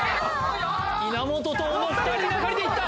稲本と小野２人がかりでいった！